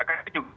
itu sudah jadi